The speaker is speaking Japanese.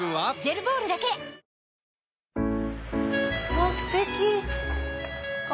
あっステキ！